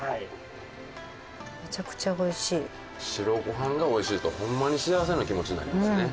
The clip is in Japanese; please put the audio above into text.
白ご飯が美味しいとホンマに幸せな気持ちになりますね。